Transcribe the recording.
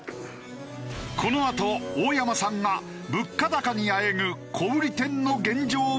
このあと大山さんが物価高にあえぐ小売店の現状を訴える。